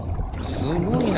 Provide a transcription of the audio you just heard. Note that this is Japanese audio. すごいな。